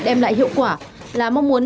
đem lại hiệu quả là mong muốn